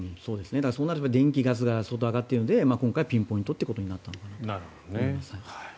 そうなれば電気、ガスが相当上がっているので今回、ピンポイントということになったのかなと思います。